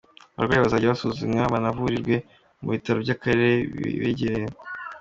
Abarwayi bazajya basuzumwa banavurirwe ku bitaro by’Akarere bibegereye.